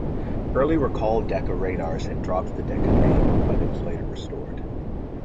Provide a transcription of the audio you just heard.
Early Racal-Decca radars had dropped the Decca name, but it was later restored.